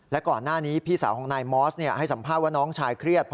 และก่อนหน้านี้พี่สาวของนายมอสให้สัมภาษณ์ว่าน้องชายเครียด